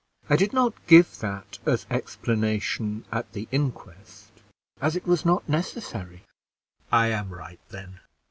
I did not give that as explanation at the inquest, as it was not necessary." "I am right, then.